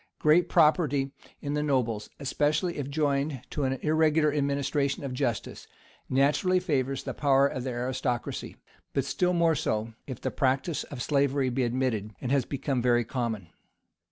Great property in the nobles, especially if joined to an irregular administration of justice, naturally favors the power of the aristocracy; but still more so, if the practice of slavery be admitted, and has become very common.